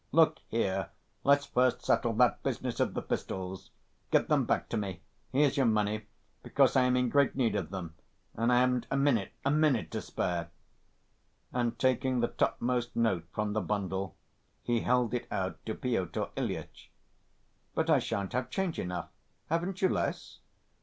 "Look here, let's first settle that business of the pistols. Give them back to me. Here's your money ... because I am in great need of them ... and I haven't a minute, a minute to spare." And taking the topmost note from the bundle he held it out to Pyotr Ilyitch. "But I shan't have change enough. Haven't you less?"